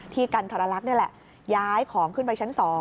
กันทรลักษณ์นี่แหละย้ายของขึ้นไปชั้น๒